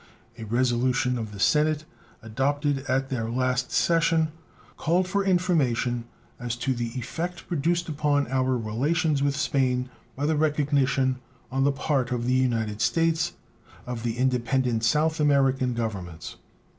A resolution of the Senate adopted at their last session called for information as to the effect produced upon our relations with Spain by the recognition on the part of the United States of the independent South American Governments.